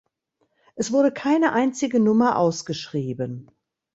Es wurde keine einzige Nummer ausgeschrieben.